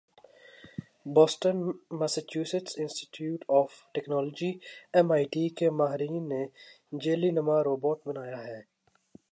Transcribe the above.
Boston Massachusetts Institute of Technology M I T کے ماہرین نے jelly نما روبوٹ بنایا ہے